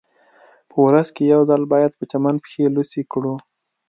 په ورځ کې یو ځل باید په چمن پښې لوڅې کړو